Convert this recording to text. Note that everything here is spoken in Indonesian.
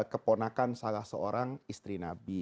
keponakan salah seorang istri nabi